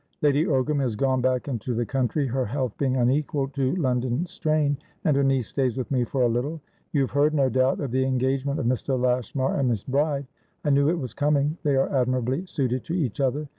Lady Ogram has gone back into the country, her health being unequal to London strain, and her niece stays with me for a little. You have heard, no doubt, of the engagement of Mr. Lashmar and Miss Bride. I knew it was coming. They are admirably suited to each other.